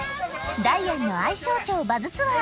ダイアンの愛荘町バズツアー